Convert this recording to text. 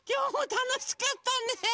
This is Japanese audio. たのしかった！ねえ。